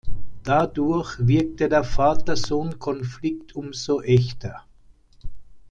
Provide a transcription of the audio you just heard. Dadurch wirkte der Vater-Sohn-Konflikt um so echter.